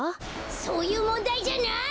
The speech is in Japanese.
そういうもんだいじゃない！